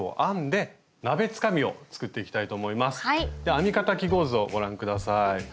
では編み方記号図をご覧下さい。